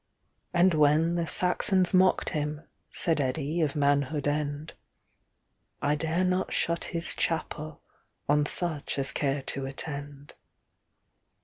And when the Saxons mocked him, Said Eddi of Manhood End,"I dare not shut His chapelOn such as care to attend."